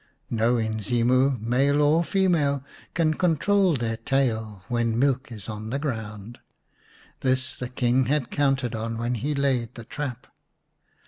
No Inzimu, male or female, can control their tail when milk is on the ground. This the King had counted on when he laid the trap.